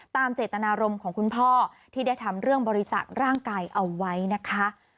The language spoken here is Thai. ตามเจตนารมณ์ของคุณพ่อที่ได้ทำเรื่องบริจาคร่างกายเอาไว้นะคะ